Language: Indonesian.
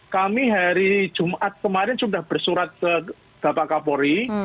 kami hari jumat kemarin sudah bersurat ke bapak kapolri